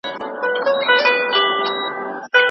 د اصفهان په جنګ کې پښتنو ډېره مړانه وښوده.